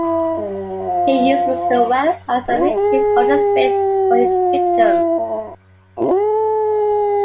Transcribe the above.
He uses the well as a makeshift holding space for his victims.